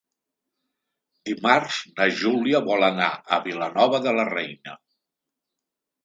Dimarts na Júlia vol anar a Vilanova de la Reina.